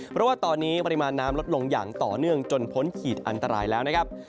เพราะว่าตอนนี้ปริมาณน้ำลดลงอย่างต่อเนื่องจนพ้นขีดอันตรายแล้วนะครับ